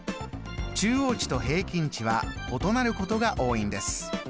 中央値と平均値は異なることが多いんです。